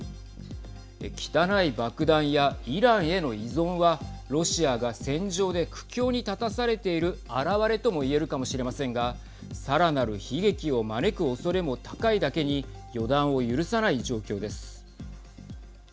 汚い爆弾やイランへの依存はロシアが戦場で苦境に立たされている表れとも言えるかもしれませんがさらなる悲劇を招く恐れも高いだけに予断を許さない状況です。